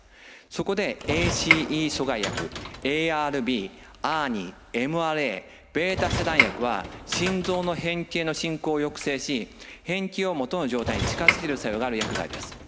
そこでＡＣＥ阻害薬ＡＲＢＡＲＮＩＭＲＡβ遮断薬は心臓の変形の進行を抑制し変形をもとの状態に近づける作用がある薬剤です。